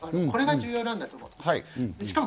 これが重要なんだと思います。